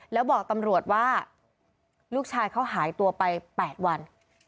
แล้วบอกตำรวจว่าลูกชายเขาหายตัวไป๘วัน